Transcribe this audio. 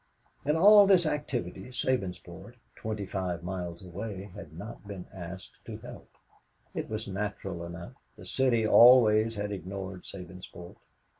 In all this activity, Sabinsport, twenty five miles away, had not been asked to help. It was natural enough. The City always had ignored Sabinsport.